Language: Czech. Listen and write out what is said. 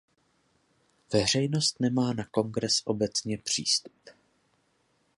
Veřejnost nemá na kongres obecně přístup.